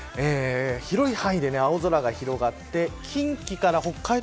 広い範囲で青空が広がって近畿から北海道